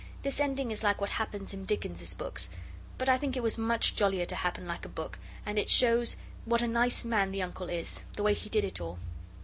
This ending is like what happens in Dickens's books; but I think it was much jollier to happen like a book, and it shows what a nice man the Uncle is, the way he did it all.